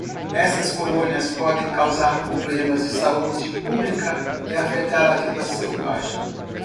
Essas colônias podem causar problemas de saúde pública e afetar a vida selvagem.